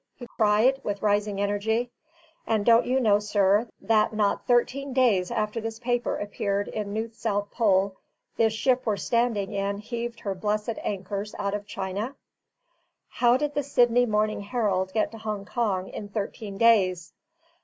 he cried, with rising energy. "And don't you know, sir, that not thirteen days after this paper appeared in New South Pole, this ship we're standing in heaved her blessed anchors out of China? How did the Sydney Morning Herald get to Hong Kong in thirteen days?